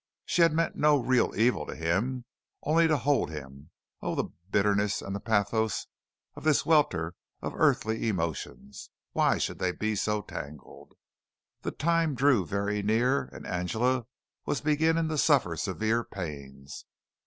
She had meant no real evil to him only to hold him. Oh, the bitterness and the pathos of this welter of earthly emotions. Why should they be so tangled? The time drew very near, and Angela was beginning to suffer severe pains.